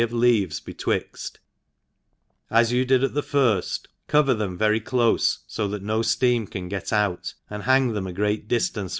of leaves betwixt, as yo« did at the firft, cover them very clQfk {o that mo fteam can get out, and hang them a gfcat dmaoc^.